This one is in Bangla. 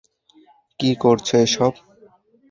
কী করছো এসব?